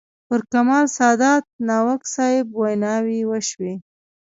پر کمال سادات، ناوک صاحب ویناوې وشوې.